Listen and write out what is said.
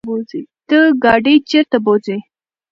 ته ګاډی چرته بوځې؟